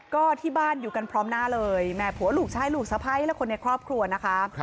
ก็ที่บ้านอยู่กันพร้อมหน้าเลยแม่ผัวลูกชายลูกสะพ้ายและคนในครอบครัวนะคะ